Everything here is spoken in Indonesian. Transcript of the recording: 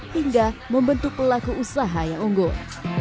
hingga membentuk pelaku usaha yang unggul